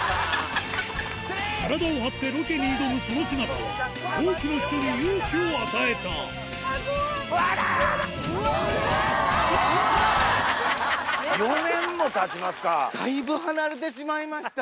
体を張ってロケに挑むその姿は多くの人に勇気を与えたうわっ！